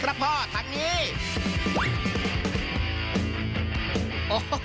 พรุ่งนี้ก็หาบอลไม่เจอหรอกครับพระคุณ